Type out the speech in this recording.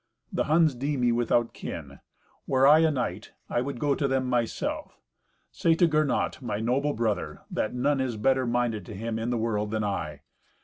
The Huns deem me without kin. Were I a knight, I would go to them myself. Say to Gernot, my noble brother, that none is better minded to him in the world than I.